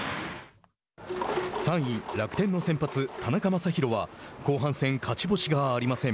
３位、楽天の先発、田中将大は後半戦、勝ち星がありません。